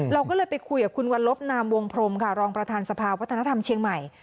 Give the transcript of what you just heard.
เราก็เลยไปคุยกับคุณวันลบนามวงพรมค่ะรองประธานสภาวัฒนธรรมเชียงใหม่